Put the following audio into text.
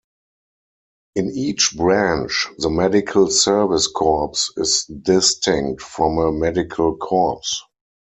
In each branch, the Medical Service Corps is distinct from a medical corps.